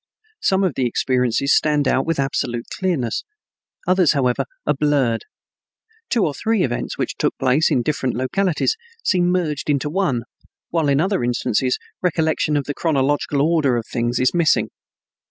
Some of the experiences stand out with absolute clearness; others, however, are blurred. Two or three events which took place in different localities seem merged into one, while in other instances recollection of the chronological order of things is missing.